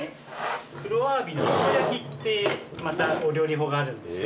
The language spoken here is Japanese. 黒アワビのみそ焼きってお料理法があるんですよ。